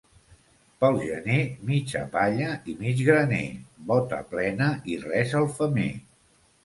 Pel gener, mitja palla i mig graner, bota plena i res al femer.